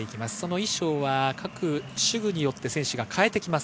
衣装は各手具によって選手が変えてきます。